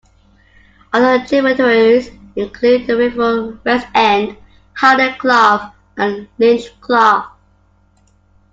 Other tributaries include the River Westend, Howden Clough and Linch Clough.